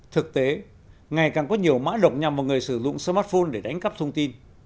thực tế ngày càng có nhiều mã độc nhằm vào người sử dụng smartphone để đánh cắp thông tin